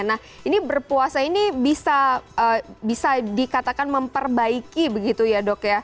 nah ini berpuasa ini bisa dikatakan memperbaiki begitu ya dok ya